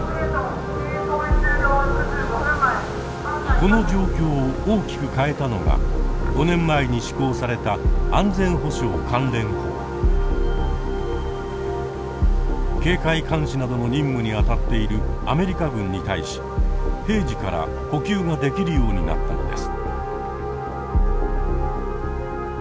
この状況を大きく変えたのが５年前に施行された警戒監視などの任務にあたっているアメリカ軍に対し「平時」から補給ができるようになったのです。